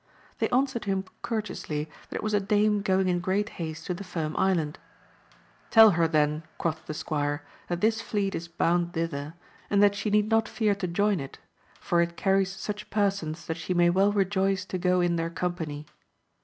They answered him courteously, that it was a dame going in great haste to the Firm Island : Tell her then, quoth the squire, that this fleet is bound thither, and that she need not fear to join it ; for it carries such persons that she may well rejoice to go in their company.